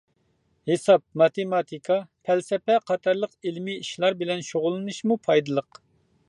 ھېساب، ماتېماتىكا، پەلسەپە قاتارلىق ئىلمىي ئىشلار بىلەن شۇغۇللىنىشمۇ پايدىلىق.